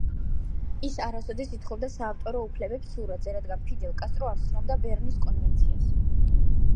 ის არასოდეს ითხოვდა საავტორო უფლებებს სურათზე, რადგან ფიდელ კასტრო არ ცნობდა ბერნის კონვენციას.